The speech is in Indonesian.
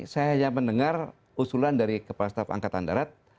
saya hanya mendengar usulan dari kepala staf angkatan darat